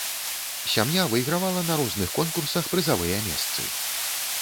Сям'я выйгравала на розных конкурсах прызавыя месцы.